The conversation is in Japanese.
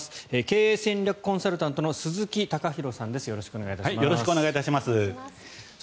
経営戦略コンサルタントの鈴木貴博さんです。